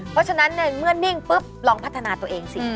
เพราะฉะนั้นในเมื่อนิ่งปุ๊บลองพัฒนาตัวเองสิ